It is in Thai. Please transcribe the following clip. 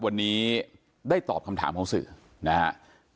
วันนี้ได้ตอบคำถามของสื่อนะฮะ